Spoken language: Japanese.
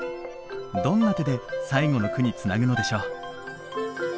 どんな手で最後の句につなぐのでしょう。